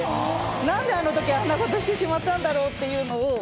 何であの時あんなことしてしまったんだろうというのを。